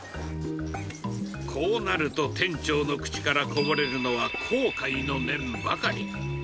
こうなると店長の口からこぼれるのは後悔の念ばかり。